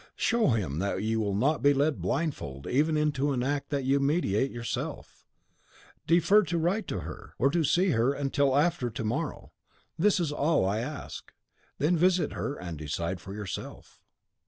Show him that you will not be led blindfold even into an act that you meditate yourself. Defer to write to her, or to see her, till after to morrow. This is all I ask. Then visit her, and decide for yourself."